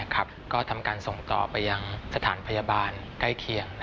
ก็ทำการส่งต่อไปยังสถานพยาบาลใกล้เคียง